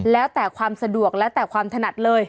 แล้วแต่ความสะดวกแล้วแต่ความถนัดเลย